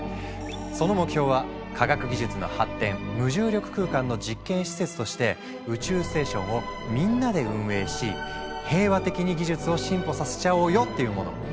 その目標は科学技術の発展無重力空間の実験施設として宇宙ステーションをみんなで運営し平和的に技術を進歩させちゃおうよっていうもの。